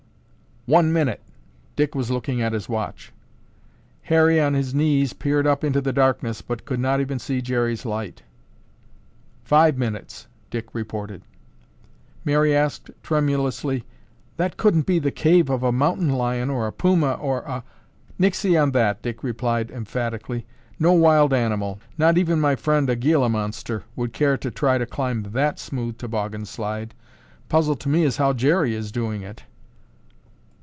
"One minute." Dick was looking at his watch. Harry on his knees peered up into the darkness, but could not even see Jerry's light. "Five minutes," Dick reported. Mary asked tremulously, "That couldn't be the cave of a mountain lion or a puma or a—" "Nixy on that!" Dick replied emphatically. "No wild animal, not even my friend, a Gila Monster, would care to try to climb that smooth toboggan slide. Puzzle to me is how Jerry is doing it."